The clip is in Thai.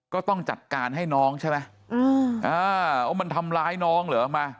ก็ต้องจัดการให้น้องใช่ไหมว่ามันทำร้ายน้องเหรอมา